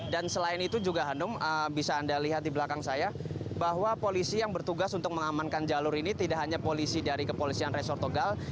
dan selain itu juga hanum bisa anda lihat di belakang saya bahwa polisi yang bertugas untuk mengamankan jalur ini tidak hanya polisi dari kepolisian resort tegal